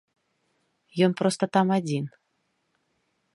Ён проста там адзін.